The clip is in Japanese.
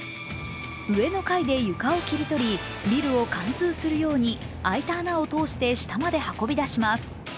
上の階で床を切り取りビルを貫通するように開いた穴を通して下まで運び出します。